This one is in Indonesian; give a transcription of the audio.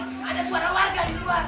terus ada suara warga di luar